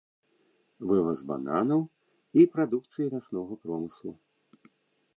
Вываз бананаў і прадукцыі ляснога промыслу.